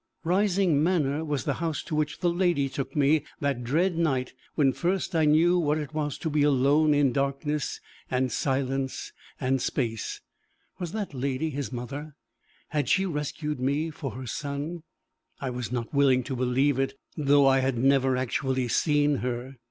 Rising manor was the house to which the lady took me that dread night when first I knew what it was to be alone in darkness and silence and space. Was that lady his mother? Had she rescued me for her son? I was not willing to believe it, though I had never actually seen her.